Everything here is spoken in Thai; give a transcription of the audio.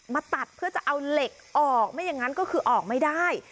มาตัดเพื่อจะเอาเหล็กออกไม่อย่างนั้นก็คือออกไม่ได้